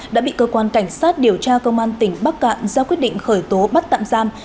đã bị cơ quan cảnh sát điều tra công an tỉnh bắc cạn giao quyết định khởi tố bắt tạm giam